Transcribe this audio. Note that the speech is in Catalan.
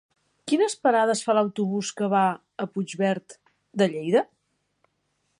Quines parades fa l'autobús que va a Puigverd de Lleida?